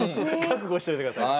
覚悟しといてください。